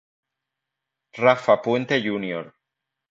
Rafa Puente Jr.